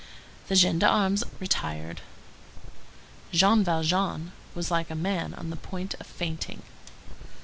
The gendarmes retired. Jean Valjean was like a man on the point of fainting.